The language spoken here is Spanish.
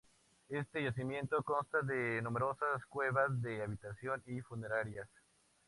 Este yacimiento consta de numerosas cuevas de habitación y funerarias.